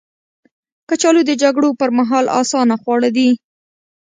کچالو د جګړو پر مهال اسانه خواړه دي